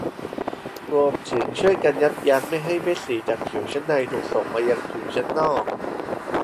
รวมถึงช่วยยับยั้งไม่ให้เม็ดสีจากผิวชั้นในถูกส่งมายังผิวชั้นนอก